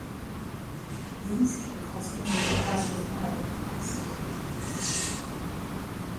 These can cause injury to passers-by in an accident.